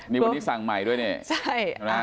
นี่วันนี้สั่งใหม่ด้วยเนี่ย